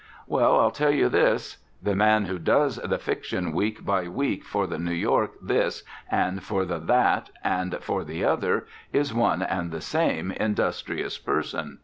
Well, I'll tell you this: the man who "does" the fiction week by week for the New York This and for The That and for The Other, is one and the same industrious person.